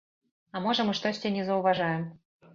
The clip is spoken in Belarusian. А можа мы штосьці не заўважаем?